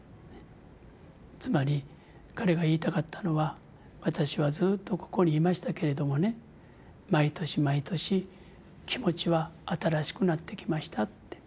つまり彼が言いたかったのは「私はずっとここにいましたけれどもね毎年毎年気持ちは新しくなってきました」って。